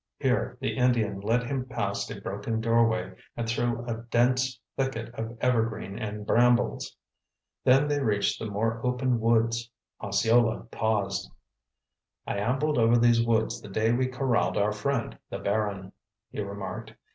Here the Indian led him past a broken doorway and through a dense thicket of evergreen and brambles. When they reached the more open woods, Osceola paused. "I ambled over these woods the day we corralled our friend the Baron," he remarked.